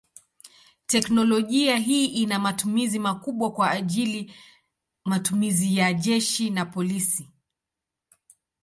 Teknolojia hii ina matumizi makubwa kwa ajili matumizi ya jeshi na polisi.